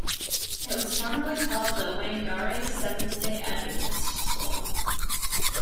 It was formerly called the Whangarei Seventhday Adventist School.